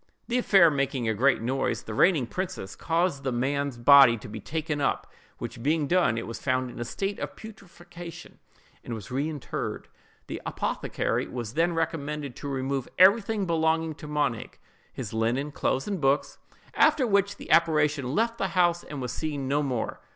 The affair making a great noise, the reigning princess caused the man's body to be taken up, which being done, it was found in a state of putrefaction, and was reinterred. The apothecary was then recommended to remove everything belonging to Monig—his linen, clothes, books, &c.—after which the apparition left the house and was seen no more.